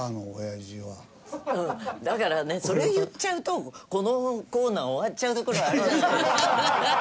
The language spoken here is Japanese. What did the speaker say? だからねそれ言っちゃうとこのコーナー終わっちゃうところあるじゃないですか。